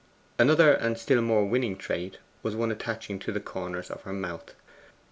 Another and still more winning trait was one attaching to the corners of her mouth.